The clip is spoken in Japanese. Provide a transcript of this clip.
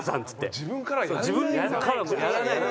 自分からはやらないんだ。